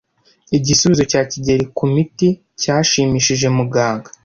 Igisubizo cya kigeli kumiti cyashimishije muganga.